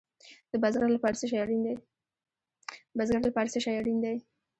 د بزګر لپاره څه شی اړین دی؟